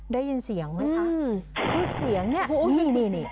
ได้ยินเสียงไหมคะนี่เสียงเนี่ยอุ้ยนี่นี่